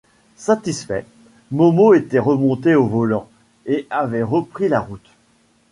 Satisfait, Momo était remonté au volant et avait repris la route.